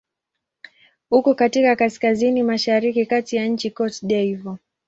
Uko katika kaskazini-mashariki ya kati ya nchi Cote d'Ivoire.